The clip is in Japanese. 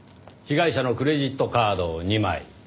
被害者のクレジットカード２枚。